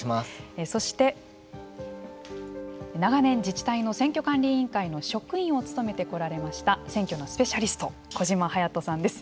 そして長年自治体の選挙管理委員会の職員を務めてこられました選挙のスペシャリスト小島勇人さんです。